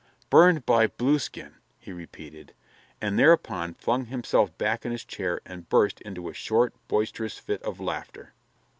"Burned by Blueskin!" he repeated, and thereupon flung himself back in his chair and burst into a short, boisterous fit of laughter.